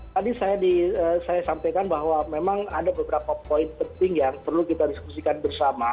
tadi saya sampaikan bahwa memang ada beberapa poin penting yang perlu kita diskusikan bersama